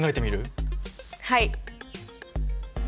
はい。